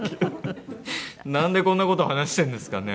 なんでこんな事を話してるんですかね？